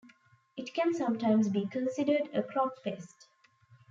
It can sometimes be considered a crop pest.